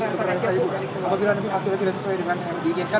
apakah hasilnya tidak sesuai dengan yang diinginkan